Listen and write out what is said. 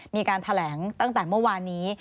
มีการแถลงตั้งแต่เมื่อวานนี้